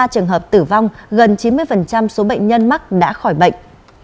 ba trường hợp tử vong gần chín mươi số bệnh nhân mắc đã khỏi bệnh